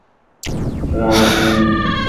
রামাসামি, এভাবে কাজ হবে না।